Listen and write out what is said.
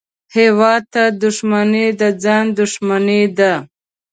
هېواد ته دښمني د ځان دښمني ده